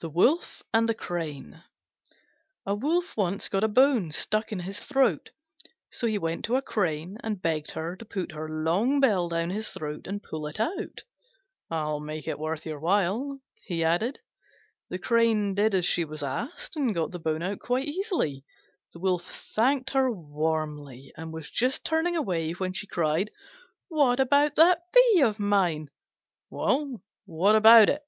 THE WOLF AND THE CRANE A Wolf once got a bone stuck in his throat. So he went to a Crane and begged her to put her long bill down his throat and pull it out. "I'll make it worth your while," he added. The Crane did as she was asked, and got the bone out quite easily. The Wolf thanked her warmly, and was just turning away, when she cried, "What about that fee of mine?" "Well, what about it?"